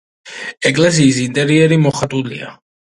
ეკლესიის ინტერიერი მოხატულია.